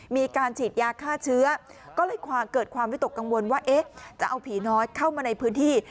มีการฉีดยาฆ่าเชื้อก็เลยเกิดความวิตกกังวลว่าเอ๊ะจะเอาผีน้อยเข้ามาในพื้นที่